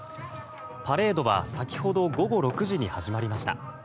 パレードは先ほど午後６時に始まりました。